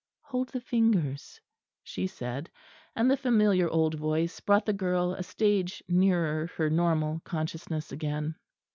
"Hold the fingers," she said; and the familiar old voice brought the girl a stage nearer her normal consciousness again.